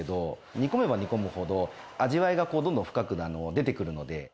煮込めば煮込むほど、味わいがどんどん深く出てくるので。